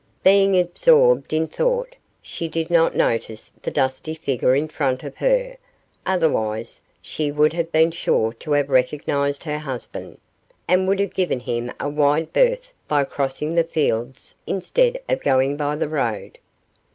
Being absorbed in thought, she did not notice the dusty figure in front of her, otherwise she would have been sure to have recognised her husband, and would have given him a wide berth by crossing the fields instead of going by the road.